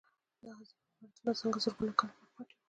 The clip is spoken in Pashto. دا عظیم عمارتونه څنګه زرګونه کاله پټ پاتې وو.